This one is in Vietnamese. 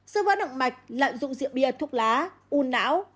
sơ vỡ động mạch lạm dụng rượu bia thuốc lá u não